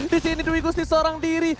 disini duwigu ini seorang diri